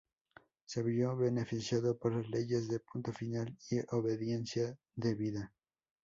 Se vio beneficiado por las leyes de Punto Final y Obediencia Debida.